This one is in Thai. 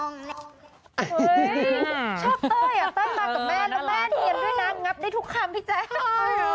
เฮ้ยชอบเต้อย่าตั้งมากับแม่แล้วแม่นี่ด้วยนักงับได้ทุกคำพี่แจ๊ค